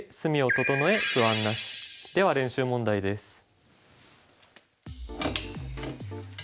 では練習問題です。